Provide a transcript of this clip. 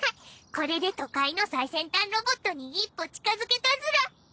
これで都会の最先端ロボットに一歩近づけたズラ。